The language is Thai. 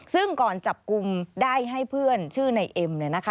ซึ่งก่อนจับกลุ่มได้ให้เพื่อนชื่อในเอ็ม